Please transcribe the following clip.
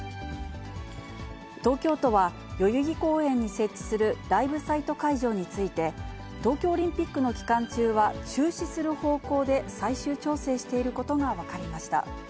東京都は代々木公園に設置するライブサイト会場について、東京オリンピックの期間中は、中止する方向で最終調整していることが分かりました。